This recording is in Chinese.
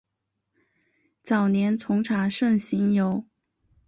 早年从查慎行游。